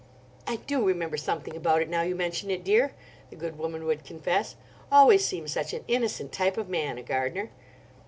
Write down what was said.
"I do remember something about it, now you mention it, dear," the good woman would confess. "Always seems such an innocent type of man, a gardener."